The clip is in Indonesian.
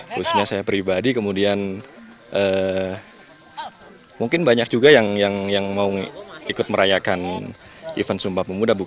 khususnya saya pribadi kemudian mungkin banyak juga yang mau ikut merayakan event sumpah pemuda